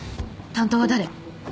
担当は誰？